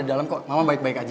dalam kok mama baik baik aja